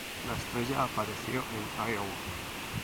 La estrella apareció en Iowa.